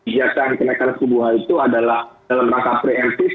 jasa kenaikan suku buah itu adalah dalam rangka pre emptive